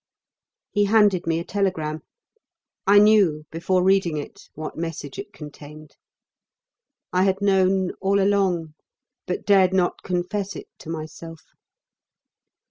He handed me a telegram. I knew, before reading it, what message it contained. I had known, all along, but dared not confess it to myself.